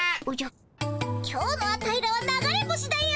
今日のアタイらは流れ星だよ。